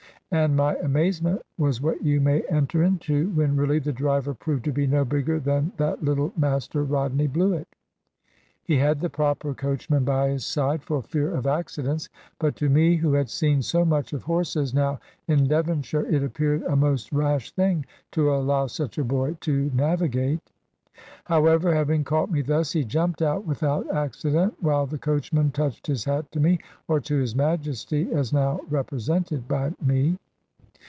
And my amazement was what you may enter into, when really the driver proved to be no bigger than that little Master Rodney Bluett. He had the proper coachman by his side, for fear of accidents; but to me, who had seen so much of horses now in Devonshire, it appeared a most rash thing to allow such a boy to navigate. However, having caught me thus, he jumped out without accident, while the coachman touched his hat to me, or to his Majesty as now represented by me.